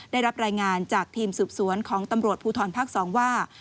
ได้รับรายงานจากทีมสืบสวนของตำรวจภูทรภาค๒ว่า